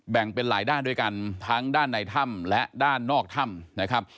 แบ่งเป็นหลายด้านด้วยกันทั้งด้านในถ้ำและด้านนอกถ้ำนะครับ